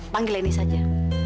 panggil leni saja